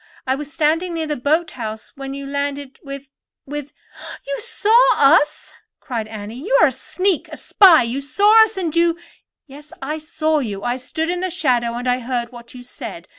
I was standing near the boat house when you landed with—with——" "You saw us?" cried Annie. "Then you are a sneak—a spy. You saw us, and you——" "Yes, I saw you. I stood in the shadow, and I heard what you said.